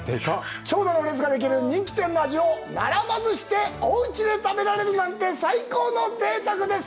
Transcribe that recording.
長蛇の列ができる人気店の味を並ばずしておうちで食べられるなんて最高のぜいたくです